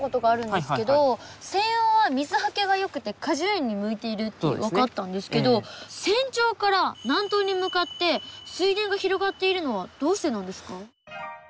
扇央は水はけがよくて果樹園に向いているって分かったんですけど扇頂から南東に向かって水田が広がっているのはどうしてなんですか？